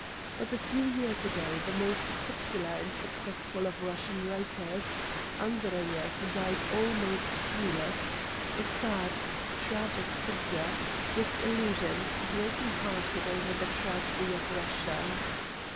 But a few years ago the most pop ular and successful of Russian writers, Andreyev died almost penniless, a sad, tragic figure, disil lusioned, broken hearted over the tragedy of Russia.